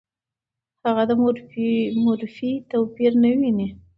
هغه د مورفي توپیر نه ویني.